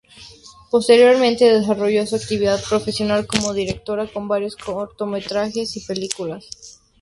Posteriormente desarrollo su actividad profesional como directora con varios cortometrajes y películas.